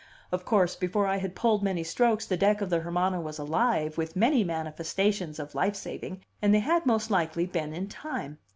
Of course, before I had pulled many strokes, the deck of the Hermana was alive with many manifestations of life saving and they had most likely been in time.